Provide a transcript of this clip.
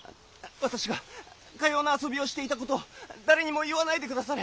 私がかような遊びをしていたこと誰にも言わないでくだされ！